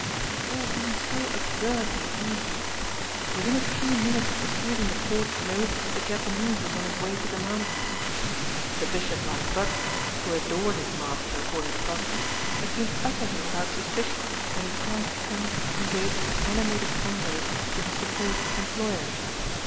It had all been so absurdly easy. Within a few minutes of receiving the forged note the Japanese was on his way to the mountains. The bishop like butler who adored his master according to Crosbeigh, had seemed utterly without suspicion when he passed Trent engaged in animated converse with his supposed employer.